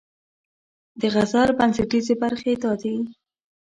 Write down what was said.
د غزل بنسټیزې برخې دا دي: